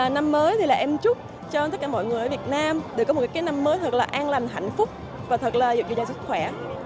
năm mới thì em chúc cho tất cả mọi người ở việt nam được có một năm mới thật là an lành hạnh phúc và thật là dịp về nhà sức khỏe